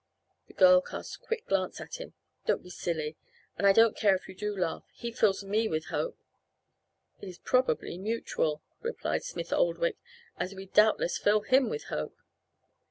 The girl cast a quick glance at him. "Don't be silly, and I don't care if you do laugh. He fills me with hope." "It is probably mutual," replied Smith Oldwick, "as we doubtless fill him with hope."